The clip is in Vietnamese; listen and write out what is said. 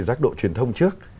giác độ truyền thông trước